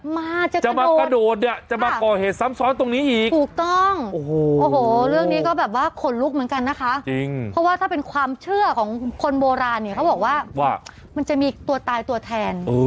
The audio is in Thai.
มาจะกระโดดถูกต้องโอ้โหเรื่องนี้ก็แบบว่าคนลุกเหมือนกันนะคะเพราะว่าถ้าเป็นความเชื่อของคนโบราณเนี่ยเขาบอกว่ามันจะมีตัวตายตัวแทน